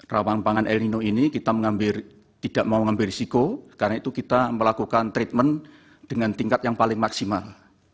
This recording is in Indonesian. rawan pangan el nino ini kita tidak mau mengambil risiko karena itu kita melakukan treatment dengan tingkat yang paling maksimal